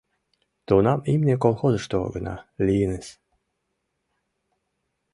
Тунам имне колхозышто гына лийыныс.